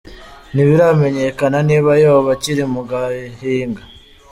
Ntibiramenyekana niba yoba akiri mu gahinga.